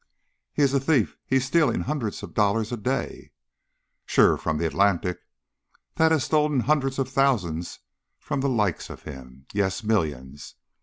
"He is a thief. He is stealing hundreds of dollars a day." "Sure! From the Atlantic, that has stolen hundreds of thousands from the likes of him yes, millions.